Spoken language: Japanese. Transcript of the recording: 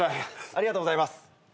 ありがとうございます。